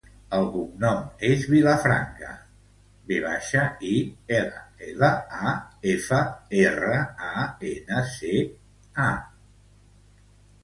El cognom és Villafranca: ve baixa, i, ela, ela, a, efa, erra, a, ena, ce, a.